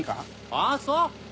ああそう。